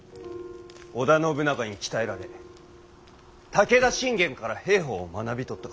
織田信長に鍛えられ武田信玄から兵法を学び取ったからじゃ。